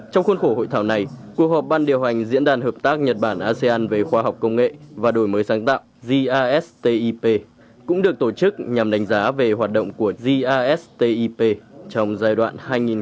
trong khuôn khổ hội thảo này cuộc họp ban điều hành diễn đàn hợp tác nhật bản asean về khoa học công nghệ và đổi mới sáng tạo gastip cũng được tổ chức nhằm đánh giá về hoạt động của gistip trong giai đoạn hai nghìn một mươi tám hai nghìn hai mươi